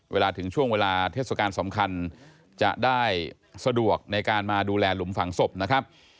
ถึงช่วงเวลาเทศกาลสำคัญจะได้สะดวกในการมาดูแลหลุมฝังศพนะครับ